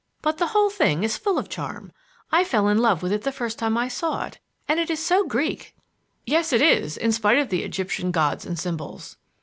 But the whole thing is full of charm. I fell in love with it the first time I saw it. And it is so Greek!" "Yes, it is, in spite of the Egyptian gods and symbols."